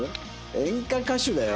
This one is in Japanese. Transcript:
演歌歌手だよ？